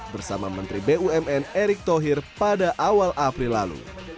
bersama menteri bumn erick thohir pada awal april lalu